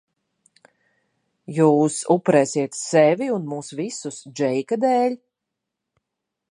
Jūs upurēsiet sevi un mūs visus Džeika dēļ?